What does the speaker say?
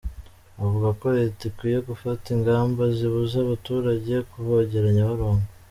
Avuga ko Leta ikwiye gufata ingamba zibuza abaturage kuvogera Nyabarongo.